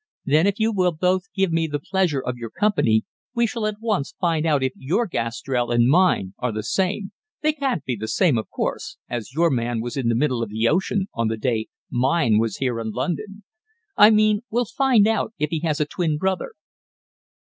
Then if you will both give me the pleasure of your company, we shall at once find out if your Gastrell and mine are the same they can't be the same, of course, as your man was in the middle of the ocean on the day mine was here in London; I mean we'll find out if he has a twin brother."